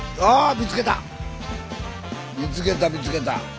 見つけた見つけた。